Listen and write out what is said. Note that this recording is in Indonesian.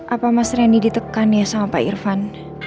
apa mas randy ditekan ya sama pak irvan